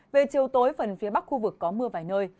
về chiều tối phần phía bắc khu vực có mưa vài nơi